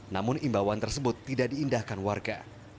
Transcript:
namun imbauan tersebut tidak diindahkan warga